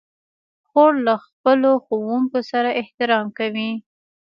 خور له خپلو ښوونکو سره احترام کوي.